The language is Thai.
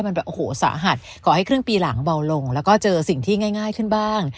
มันแบบโอ้โหสาหัสก่อให้ครึ่งปีหลังเบาลงแล้วก็เจอสิ่งที่ง่ายขึ้นบ้าง